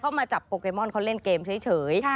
มาจับโปเกมอนเขาเล่นเกมเฉย